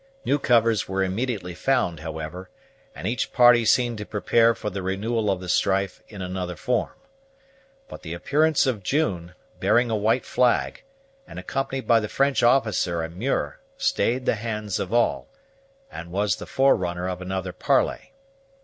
New covers were immediately found, however; and each party seemed to prepare for the renewal of the strife in another form. But the appearance of June, bearing a white flag, and accompanied by the French officer and Muir, stayed the hands of all, and was the forerunner of another parley.